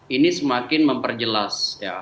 ini semakin memperjelas ya